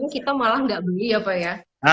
kita malah nggak beli ya pak ya